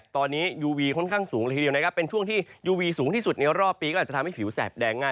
ที่สุดปีคือจะทำให้ผิวแสบแดงง่าย